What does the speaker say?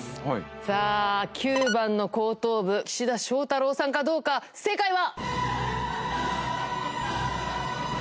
さぁ９番の後頭部岸田翔太郎さんかどうか正解は？